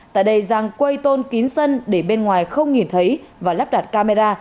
tại đây giang quây tôn kín sân để bên ngoài không nhìn thấy và lắp đặt camera